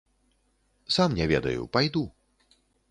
Сам не ведаю, пайду.